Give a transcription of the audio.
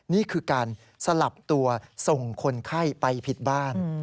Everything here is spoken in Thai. นี่คือการสลับตัวส่งคนไข้ไปผิดบ้าน